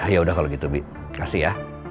ya udah kalau gitu bi kasih ya